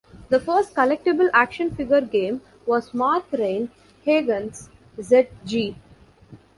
The first collectible action figure game was Mark Rein-Hagen's Z-G.